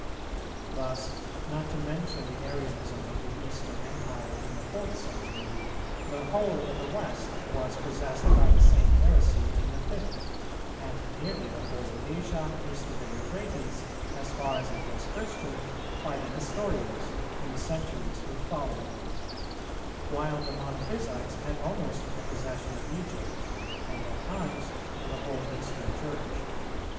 Thus not to mention the Arianism of the Eastern Empire in the fourth century, the whole of the West was possessed by the same heresy in the fifth; and nearly the whole of Asia, east of the Euphrates, as far as it was Christian, by the Nestorians, in the centuries which followed; while the Monophysites had almost the possession of Egypt, and at times of the whole Eastern Church.